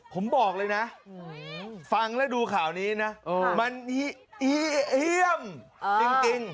ผมบอกเลยนะฟังแล้วดูข่าวนี้นะมันอีเอี่ยมจริง